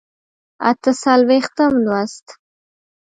اته څلوېښتم لوست